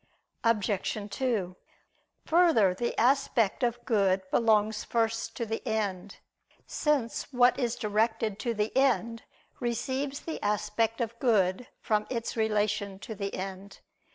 Obj. 2: Further, the aspect of good belongs first to the end: since what is directed to the end receives the aspect of good from its relation to the end.